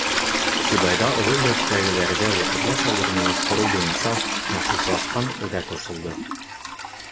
Сибайҙа оло йәштәгеләрҙе ваҡытлыса урынлаштырыу буйынса махсуслашҡан үҙәк асылды.